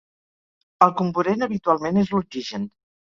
El comburent habitualment és l'oxigen.